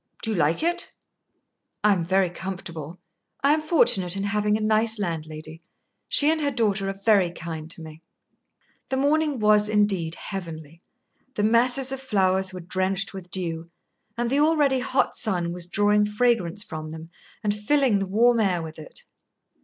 "Do you like it?" "I am very comfortable. I am fortunate in having a nice landlady. She and her daughter are very kind to me." The morning was indeed heavenly. The masses of flowers were drenched with dew, and the already hot sun was drawing fragrance from them and filling the warm air with it.